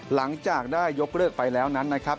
หลังจากได้ยกเลิกไปแล้วนั้นนะครับ